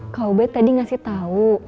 kawubit tadi ngasih tau